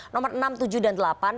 nomor enam tujuh dan delapan